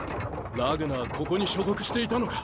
ラグナはここに所属していたのか。